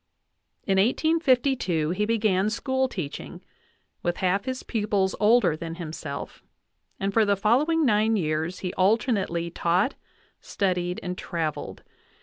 In 1852 he began school teaching, with half his pupils older than himself; and for the following nine years he alternately taught, studied, and traveled.